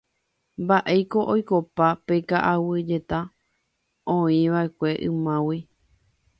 mba'éiko oikopa pe ka'aguyeta oĩva'ekue ymágui